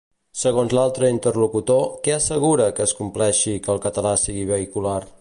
Segons l'altre interlocutor, què assegura que es compleixi que el català sigui vehicular?